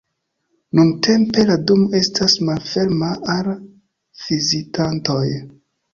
Nuntempe, la domo estas malferma al vizitantoj.